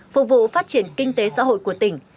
phục vụ phát triển kinh tế xã hội của tỉnh